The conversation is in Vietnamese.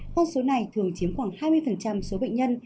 con số này thường chiếm khoảng hai mươi số bệnh nhân